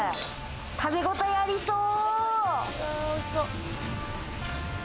食べこたえありそう。